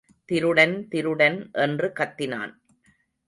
திருடன் திருடன் என்று கத்தினான்.